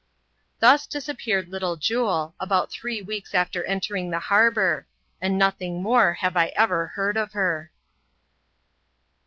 Thus disappeared little Jule, about three weeks after entering the harbour ; and nothing more have I ever heard of her.